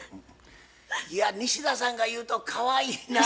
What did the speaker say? いや西田さんが言うとかわいいなぁ。